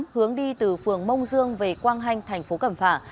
hướng đi từ phường mông dương về quang hanh thành phố cẩm phả